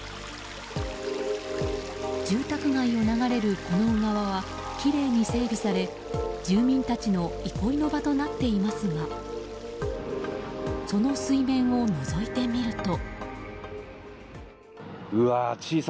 住宅街を流れるこの小川はきれいに整備され住民たちの憩いの場となっていますがその水面をのぞいてみると。